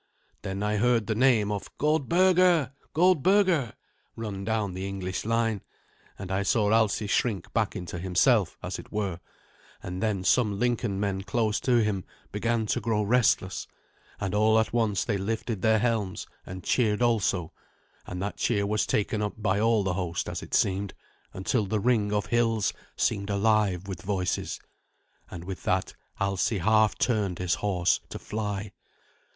Then I heard the name of "Goldberga, Goldberga!" run down the English line, and I saw Alsi shrink back into himself, as it were; and then some Lincoln men close to him began to grow restless, and all at once they lifted their helms and cheered also, and that cheer was taken up by all the host, as it seemed, until the ring of hills seemed alive with voices. And with that Alsi half turned his horse to fly.